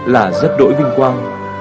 là giấc đổi vinh quang